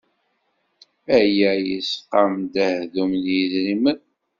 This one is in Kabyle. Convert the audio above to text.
Aya yesqam-d ahdum n yidrimen.